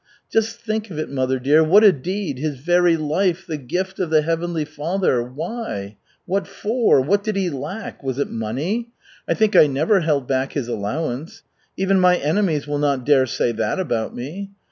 Just think of it, mother dear, what a deed! His very life, the gift of the Heavenly Father. Why? What for? What did he lack? Was it money? I think I never held back his allowance. Even my enemies will not dare say that about me.